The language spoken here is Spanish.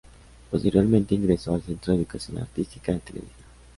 Posteriormente ingresó al Centro de Educación Artística de Televisa.